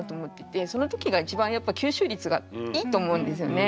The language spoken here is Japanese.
その時が一番やっぱ吸収率がいいと思うんですよね。